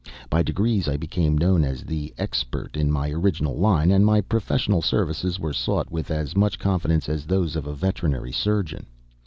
By degrees, I became known as an expert in my original line, and my professional services were sought with as much confidence as those of a veterinary surgeon.